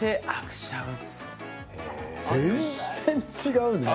全然、違うね。